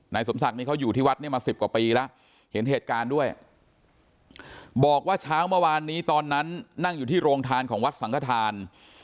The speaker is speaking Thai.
สมศักดิ์นี่เขาอยู่ที่วัดเนี่ยมาสิบกว่าปีแล้วเห็นเหตุการณ์ด้วยบอกว่าเช้าเมื่อวานนี้ตอนนั้นนั่งอยู่ที่โรงทานของวัดสังขทาน